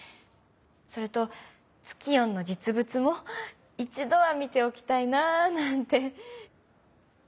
それとツキヨンの実物も一度は見ておきたいななんて。